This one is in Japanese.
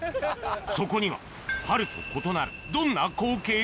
そこには春と異なるどんな光景が？